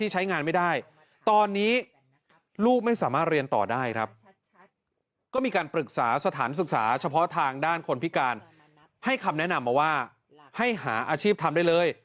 ให้คำแนะนำมาว่าให้หาอาชีพทำได้เลย